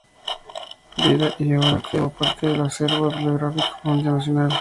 Vida y obra" como parte del acervo bibliográfico fundacional.